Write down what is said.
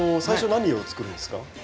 最初何を作るんですか？